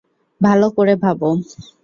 ভালো করে ভাবো।